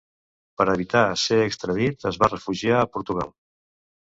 Per evitar ser extradit es va refugiar a Portugal.